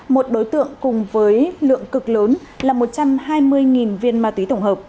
một đối tượng cùng với lượng cực lớn là một trăm hai mươi viên ma túy tổng hợp